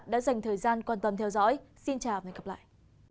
cảm ơn các bạn đã dành thời gian quan tâm theo dõi xin chào và hẹn gặp lại